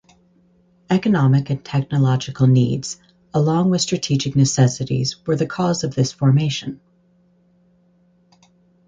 Economic and technological needs along with strategic necessities were the cause of this formation.